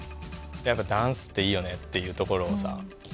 やっぱダンスっていいよねっていうところをさ。